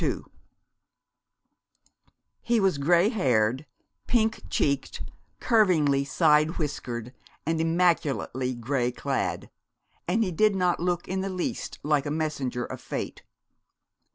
II He was gray haired, pink cheeked, curvingly side whiskered and immaculately gray clad; and he did not look in the least like a messenger of Fate.